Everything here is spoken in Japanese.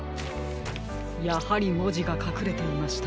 やはりもじがかくれていましたか。